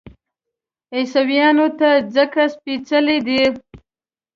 عیسویانو ته ځکه سپېڅلی دی.